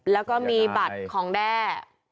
แล้วก็มีบัตรของแด้